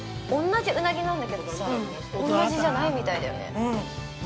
同じウナギなんだけどさ同じじゃないみたいだよね。